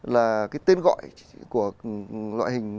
là cái tên gọi của loại hình